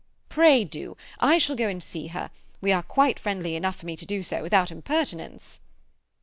"Pray do. I shall go and see her. We are quite friendly enough for me to do so without impertinence."